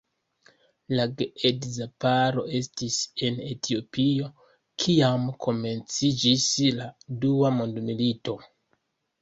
La geedza paro estis en Etiopio, kiam komenciĝis la dua mondmilito.